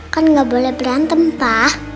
kan gak boleh berantem pa